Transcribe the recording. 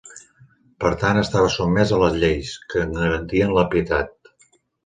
Per tant estava sotmès a les lleis, que en garantien la pietat.